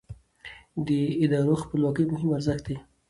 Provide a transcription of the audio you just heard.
د ادارو خپلواکي مهم ارزښت دی